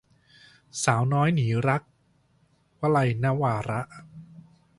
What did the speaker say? สาวน้อยหนีรัก - วลัย นวาระ